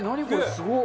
すごっ！